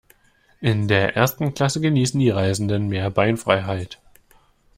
In der ersten Klasse genießen die Reisenden mehr Beinfreiheit.